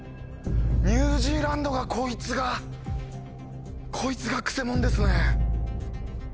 ニュージーランドがこいつがこいつがくせ者ですね。